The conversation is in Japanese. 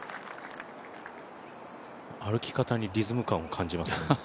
歩き方にリズム感を感じます。